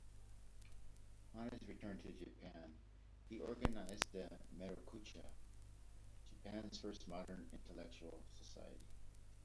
On his return to Japan, he organized the Meirokusha, Japan's first modern intellectual society.